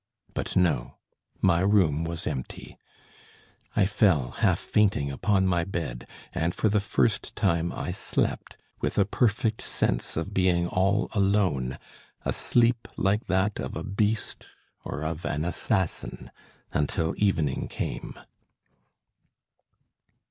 But no, my room was empty. I fell half fainting upon my bed, and for the first time I slept, with a perfect sense of being all alone, a sleep like that of a beast or of an assassin, until evening came."